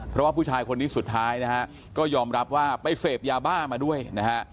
เพราะว่าผู้ชายคนนี้สุดท้ายนะฮะก็ยอมรับว่าไปเสพยาบ้ามาด้วยนะฮะ